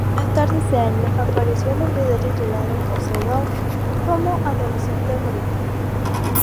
Más tarde ese año, apareció en un video titulado "Pose Down" como adolescente Brian.